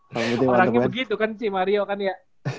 orangnya begitu kan si mario kan ya